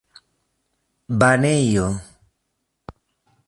banejo